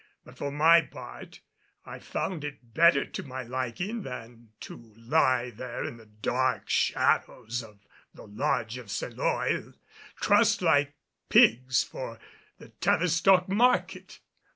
But for my part, I found it better to my liking than to lie there in the dark shadows of the Lodge of Seloy trussed like pigs for the Tavistock market.